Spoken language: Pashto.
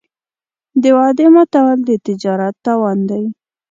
د وعدې ماتول د تجارت تاوان دی.